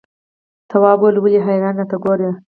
تواب وويل: ولې حیرانې راته ګوري؟